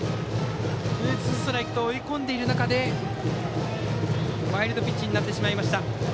ツーストライクと追い込んでいる中でワイルドピッチになってしまいました。